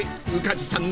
［宇梶さん